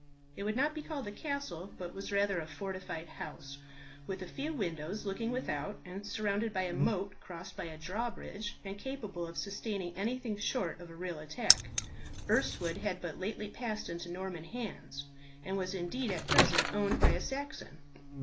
It would not be called a castle, but was rather a fortified house, with a few windows looking without, and surrounded by a moat crossed by a drawbridge, and capable of sustaining anything short of a real attack. Erstwood had but lately passed into Norman hands, and was indeed at present owned by a Saxon.